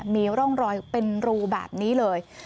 มีร่องรอยเป็นรูแบบนี้เลย